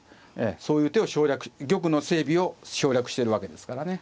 そういう手を省略玉の整備を省略してるわけですからね。